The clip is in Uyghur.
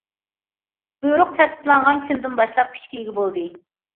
بۇيرۇق تەستىقلانغان كۈندىن باشلاپ كۈچكە ئىگە بولدى.